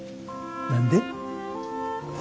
何で？